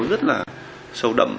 rất là sâu đậm